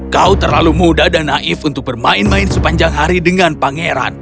kau terlalu muda dan naif untuk bermain main sepanjang hari dengan pangeran